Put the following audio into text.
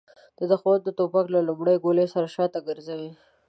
د د ښمن د توپ له لومړۍ ګولۍ سره شاته ګرځو.